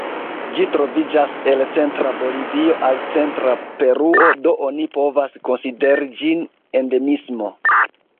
Ĝi troviĝas el centra Bolivio al centra Peruo, do oni povas konsideri ĝin endemismo.